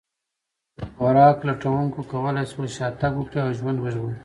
خوراک لټونکو کولی شول شا تګ وکړي او ژوند وژغوري.